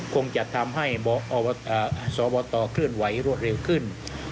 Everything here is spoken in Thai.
คงจะทำให้สบตเคลื่อนไหวรวดเร็วขึ้น